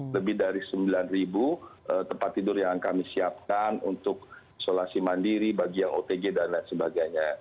lebih dari sembilan tempat tidur yang kami siapkan untuk isolasi mandiri bagi yang otg dan lain sebagainya